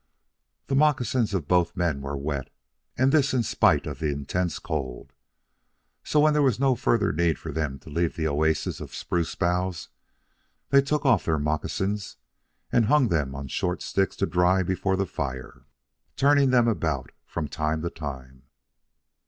The moccasins of both men were wet, and this in spite of the intense cold; so when there was no further need for them to leave the oasis of spruce boughs, they took off their moccasins and hung them on short sticks to dry before the fire, turning them about from time to time.